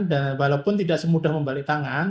dan walaupun tidak semudah membalik tangan